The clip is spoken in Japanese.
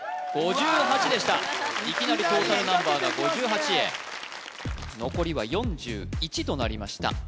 ５８でしたいきなりトータルナンバーが５８へ残りは４１となりました